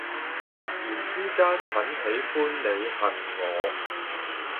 突然之間很喜歡你恨我